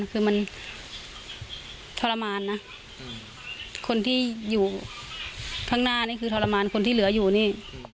คือมันทรมานนะคนที่อยู่ข้างหน้านี่คือทรมานคนที่เหลืออยู่นี่